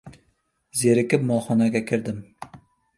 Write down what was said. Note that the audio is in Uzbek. Zerikib molxonaga kirdim.